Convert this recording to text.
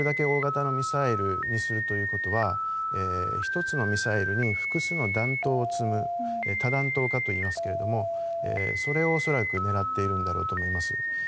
大型のミサイルにするということは１つのミサイルに複数の弾頭を積む多弾頭化といいますけどそれを恐らく狙っているんだろうと思います。